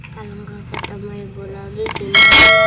kalau nggak ketemu ibu lagi ibu